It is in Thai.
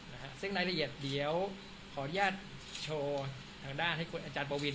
นะฮะซึ่งรายละเอียดเดี๋ยวขออนุญาตโชว์ทางด้านให้คุณอาจารย์ปวิน